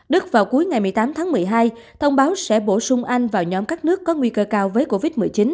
đức vào cuối ngày một mươi tám tháng một mươi hai thông báo sẽ bổ sung anh vào nhóm các nước có nguy cơ cao với covid một mươi chín